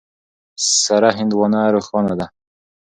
سره هندوانه روښانه ده.